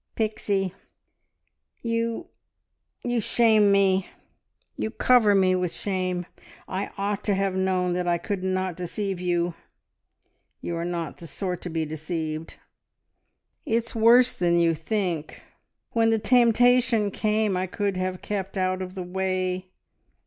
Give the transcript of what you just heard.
"Pixie, you ... you shame me ... you cover me with shame! I ought to have known that I could not deceive you. ... You are not the sort to be deceived. ... It's worse than you think. ... When the temptation came, I could have kept out of the way